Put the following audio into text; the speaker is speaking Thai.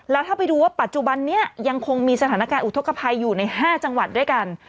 แล้วถ้าไปดูว่าปัจจุบันนี้ยังคงมีสถานการณ์อุทธกภัยอยู่ใน๕จังหวัดด้วยกัน